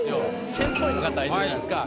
戦闘員の方いるじゃないですか